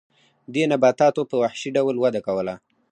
دې نباتاتو په وحشي ډول وده کوله.